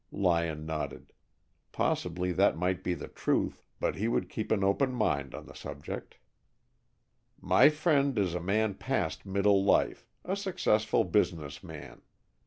Lyon nodded. Possibly that might be the truth, but he would keep an open mind on the subject. "My friend is a man past middle life, a successful business man.